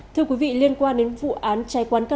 thưa quý vị liên quan đến vụ án chai quán cá rô